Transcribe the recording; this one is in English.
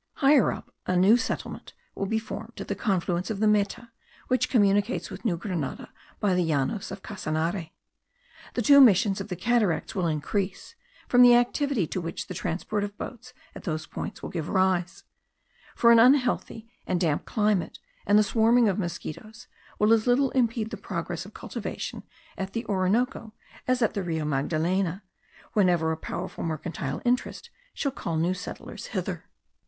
Higher up, a new settlement will be formed at the confluence of the Meta, which communicates with New Grenada by the Llanos of Casanare. The two missions of the Cataracts will increase, from the activity to which the transport of boats at those points will give rise; for an unhealthy and damp climate, and the swarming of mosquitos, will as little impede the progress of cultivation at the Orinoco as at the Rio Magdalena, whenever a powerful mercantile interest shall call new settlers thither.